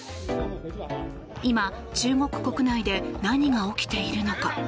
今、中国国内で何が起きているのか。